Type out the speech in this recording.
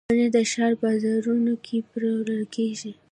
پنېر د ښار بازارونو کې پلورل کېږي.